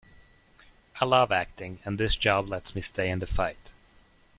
I love acting and this job lets me stay in the fight.